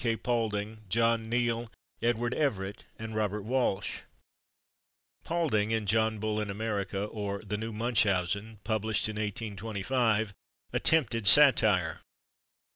K. Paulding, John Neal, Edward Everett and Robert Walsh. Paulding, in "John Bull in America, or, the New Munchausen," published in 1825, attempted satire.